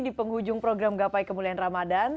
di penghujung program gapai kemuliaan ramadan